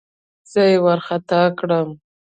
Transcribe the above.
زه يې وارخطا کړم.